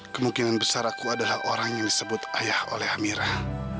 kemungkinan besar aku adalah orang yang disebut ayah oleh amirah